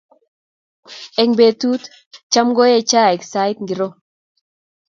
Eng betut Cham koee chaik sait ngiro?